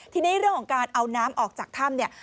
ทีนี้เรื่องของการเอาน้ำออกจากถ้ำเนี่ย